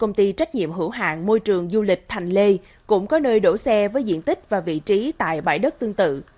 công ty trách nhiệm hữu hạng môi trường du lịch thành lê cũng có nơi đổ xe với diện tích và vị trí tại bãi đất tương tự